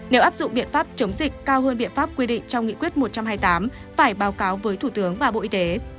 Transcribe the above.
nếu áp dụng biện pháp chống dịch cao hơn biện pháp quy định trong nghị quyết một trăm hai mươi tám phải báo cáo với thủ tướng và bộ y tế